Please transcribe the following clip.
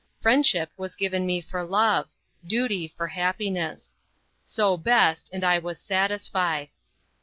Friendship was given me for love duty for happiness. So best, and I was satisfied.